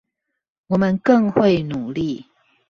我們更會努力